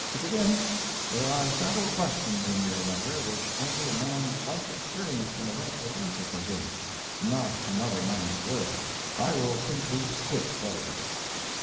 To begin: There are several questions in your letter which only a man's life experience can eventually answer for him—not another man's words. I will simply skip those.